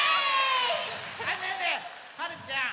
ねえねえはるちゃん。